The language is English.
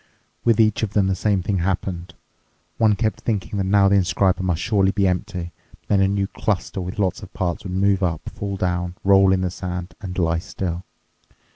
With each of them the same thing happened. One kept thinking that now the inscriber must surely be empty, but then a new cluster with lots of parts would move up, fall down, roll in the sand, and lie still.